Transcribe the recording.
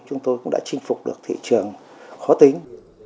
chúng tôi cũng đã chinh phục được thị trường khó tính